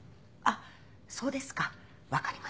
あっそうですか。